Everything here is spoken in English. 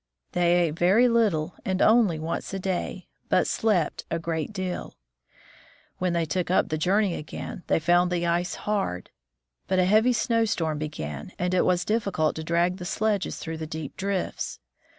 They ate very little and only once a day, but slept a great deal. u8 THE FROZEN NORTH When they took up the journey again, they found the ice hard. But a heavy snowstorm began, and it was diffi cult to drag the sledges through the deep drifts.